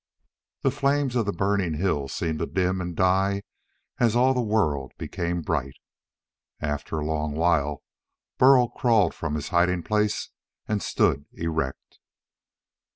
The flames of the burning hills seemed to dim and die as all the world became bright. After a long while Burl crawled from his hiding place and stood erect.